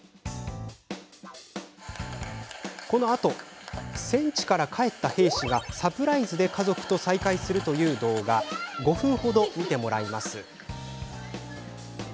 このあと戦地から帰った兵士がサプライズで家族と再会するという動画５分程、見てもらいます。